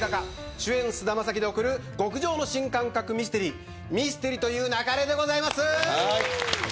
主演菅田将暉で送る極上の新感覚ミステリーミステリと言う勿れです。